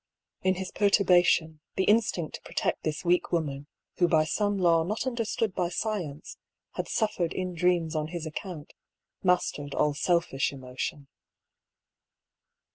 In his perturbation, the instinct to protect this weak woman, who by some law not understood by science had suffered in dreams on his account, mastered all selfish emotion.